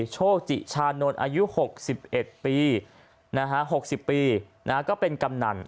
โชกจิฉานนท์อายุหกสิบเอ็ดปีนะฮะหกสิบปีนะฮะก็เป็นกำนัน